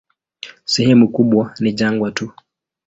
Sehemu kubwa ni jangwa tu.